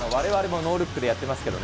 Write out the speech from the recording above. ノールックでやってますけどね。